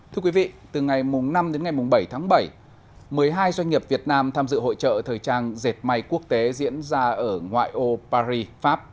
thưa quý vị từ ngày năm đến ngày bảy tháng bảy một mươi hai doanh nghiệp việt nam tham dự hội trợ thời trang dệt may quốc tế diễn ra ở ngoại ô paris pháp